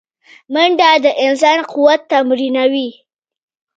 منډه د انسان قوت تمرینوي